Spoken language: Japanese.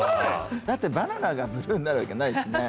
だってバナナがブルーになるわけないしねえ。